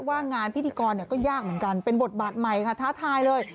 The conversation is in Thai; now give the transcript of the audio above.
ว่างานพิธีกรก็ยากเหมือนกันเป็นบทบาทใหม่ค่ะท้าทายเลย